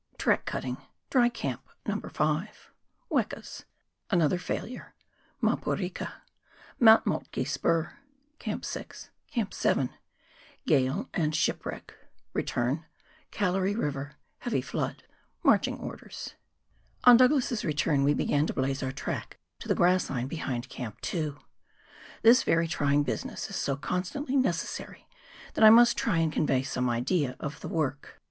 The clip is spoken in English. Track Cutting — Dry Camp (No. 5) — ^Wekaa — Another Failure — Maporika — Mount Moltke Spur — Camp 6 — Camp 7 — Gale and Shipwreck — Return — Callery Kiver — Heavy Flood — Marching Orders. On Douglas's return we began to " blaze " our track to the grass line behind Camp 2. This very trying business is so constantly necessary, that I must try and convey some idea of the work.